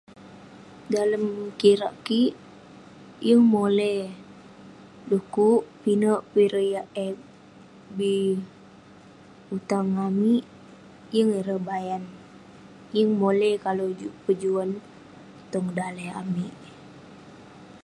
dalem kirak kik yeng mole du'kuk pinek peh ireh yah eh bi utang ngan amik, yeng ireh bayan